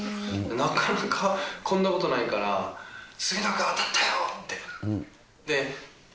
なかなかこんなことないから、杉野君当たったよ！